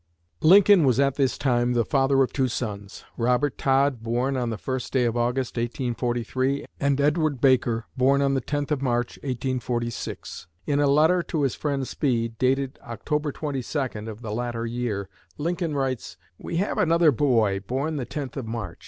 Lincoln was at this time the father of two sons: Robert Todd, born on the 1st day of August, 1843; and Edward Baker, born on the 10th of March, 1846. In a letter to his friend Speed, dated October 22 of the latter year, Lincoln writes: "We have another boy, born the 10th of March.